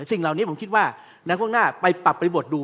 สิ่งเหล่านี้ผมคิดว่าในช่วงหน้าไปปรับบริบทดู